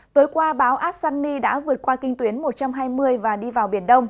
tối qua báo ad sunni đã vượt qua kinh tuyến một trăm hai mươi và đi vào biển đông